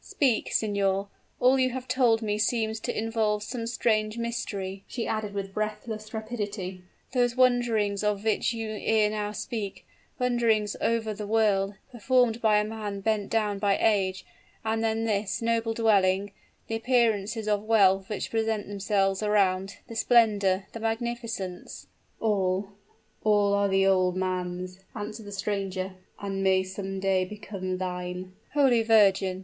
Speak, signor! all you have told me seems to involve some strange mystery," she added with breathless rapidity. "Those wanderings of which you ere now spoke wanderings over the world, performed by a man bent down by age; and then this noble dwelling the appearances of wealth which present themselves around the splendor the magnificence " "All all are the old man's," answered the stranger, "and may some day become thine!" "Holy Virgin!"